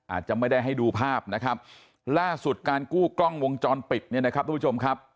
อาจจะไม่ได้ให้ดูภาพนะครับล่าสุดการกู้กล้องวงจรปิดเนี่ยนะครับทุกผู้ชมครับ